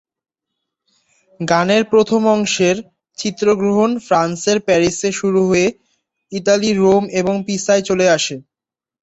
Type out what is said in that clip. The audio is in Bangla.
গানের প্রথম অংশের চিত্রগ্রহণ ফ্রান্সের প্যারিসে শুরু হয়ে ইতালির রোম এবং পিসায় চলে আসে।